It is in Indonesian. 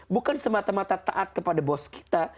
bukan semata mata taat kepada bos kita